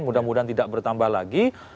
mudah mudahan tidak bertambah lagi